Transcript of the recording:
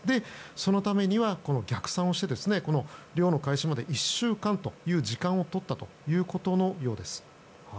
そのためには逆算をして漁の開始まで１週間という時間をとったということのようです。